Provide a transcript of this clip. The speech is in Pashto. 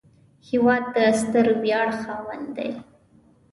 هېواد د ستر ویاړ خاوند دی